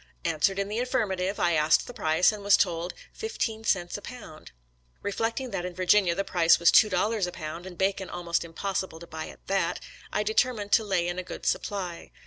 Answered in the affirmative, I asked the price, and was told " fifteen cents a pound." Eeflecting that in Virginia the price was two dollars a pound, and bacon almost im possible to buy at that, I determined to lay in 122 SOLDIEE'S LETTERS TO CHARMING NELLIE a good supply.